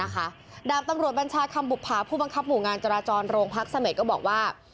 ดาบตำรวจบัญชาคำบุภาผู้บังคับหมู่งานจราจรโรงพักเสม็ดก็บอกว่า